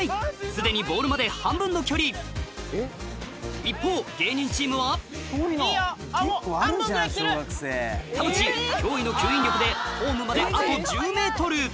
すでにボールまで半分の距離一方芸人チームは田渕驚異の吸引力でホームまであと１０ｍ